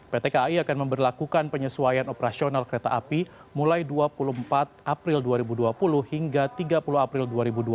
pt kai akan memperlakukan penyesuaian operasional kereta api mulai dua puluh empat april dua ribu dua puluh hingga tiga puluh april dua ribu dua puluh